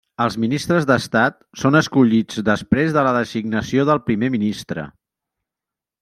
Els Ministres d'Estat són escollits després de la designació del Primer Ministre.